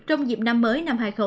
trong dịp năm mới